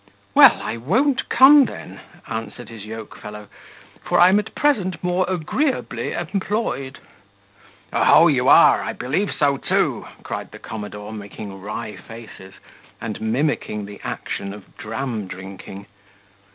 "Well, I won't come, then," answered his yoke fellow, "for I am at present more agreeably employed." "Oho! you are. I believe so too," cried the commodore, making wry faces and mimicking the action of dram drinking.